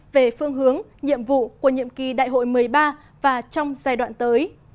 về phương hướng nhiệm vụ của nhiệm kỳ đại hội một mươi ba và trong giai đoạn tới